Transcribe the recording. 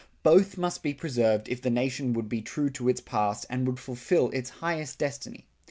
Both must be preserved if the nation would be true to its past, and would fulfil its highest destiny.